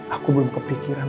aku belum kepikiran